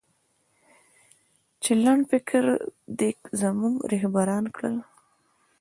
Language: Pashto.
چې لنډفکره دې زموږه رهبران کړل